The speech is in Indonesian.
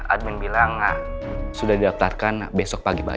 admin bilang sudah didaftarkan besok pagi